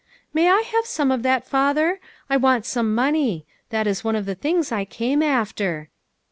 "May I have some of that, father? I want some money. That was one of the things I came after."